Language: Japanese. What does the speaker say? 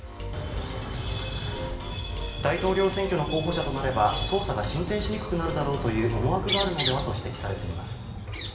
大統領選挙の候補者となれば捜査が進展しにくくなるだろうという思惑があるのではと指摘されています。